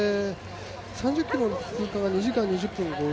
３０ｋｍの通過が２時間２０分５０秒。